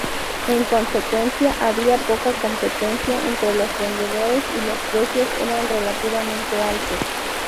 En consecuencia, había poca competencia entre los vendedores y los precios eran relativamente altos.